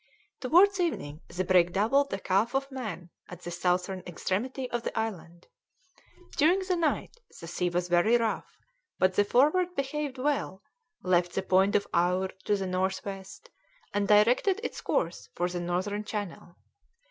Towards evening the brig doubled the Calf of Man at the southern extremity of the island. During the night the sea was very rough, but the Forward behaved well, left the point of Ayr to the north west, and directed its course for the Northern Channel.